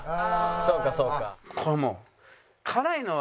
「そうかそうか」